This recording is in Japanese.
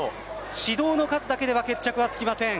指導の数だけでは決着はつきません。